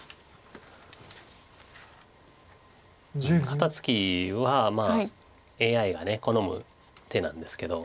肩ツキはＡＩが好む手なんですけど。